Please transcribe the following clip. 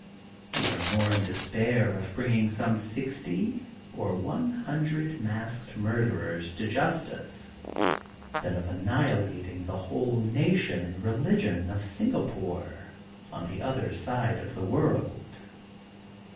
We are more in de spair of bringing some sixty or one hundred masked murderers to justice than of anni hilating the whole nation and religion of Singapore on the other side of the world.